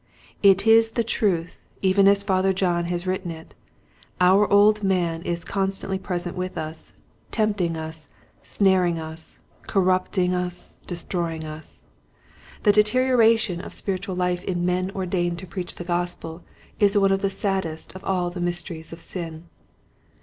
It is the truth even as Father John has written it, " our old man is constantly present with us, tempting us, snaring us, corrupting us, destroying us." The deterioration of 2IO Quiet Hints to Growing Preachers. spiritual life in men ordained to preach the Gospel is one of the saddest of all the mys teries of sin.